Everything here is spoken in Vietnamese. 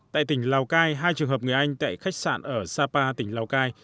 tại tỉnh lào cai hai trường hợp người anh tại khách sạn ở sapa tỉnh lào cai